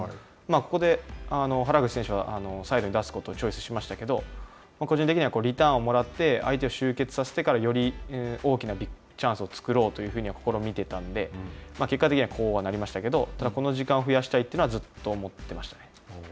ここで、原口選手はサイドに出すことをチョイスしましたけど、個人的にはリターンをもらって、相手を集結させてからより大きなビッグチャンスを作ろうというふうには試みてたので、結果的にはこうはなりましたけれども、この時間を増やしたいというのはずっと思っていましたね。